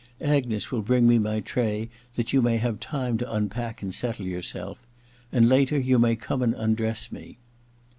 * Agnes will bring me my tray, that you may have time to unpack and settle your self ; and later you may come and undress me.'